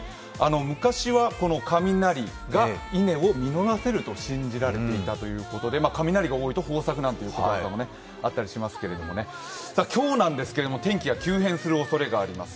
昔は雷が稲を実らせると信じられていたということで、雷が多いと豊作なんて言葉もあったりしますけどね、今日なんですけれども天気が急変するおそれがあります。